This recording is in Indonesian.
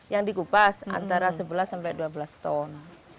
yang dikupas antara sebelas sampai dua belas ton